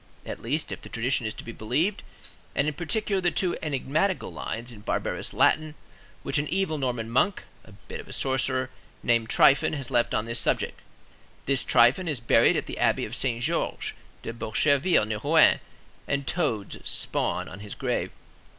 At least, if the tradition is to be believed, and in particular the two enigmatical lines in barbarous Latin, which an evil Norman monk, a bit of a sorcerer, named Tryphon has left on this subject. This Tryphon is buried at the Abbey of Saint Georges de Bocherville, near Rouen, and toads spawn on his grave.